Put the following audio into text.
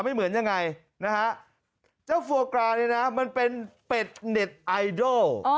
ไม่เหมือนยังไงนะฮะเจ้าโฟกราเนี่ยนะมันเป็นเป็ดเน็ตไอดอล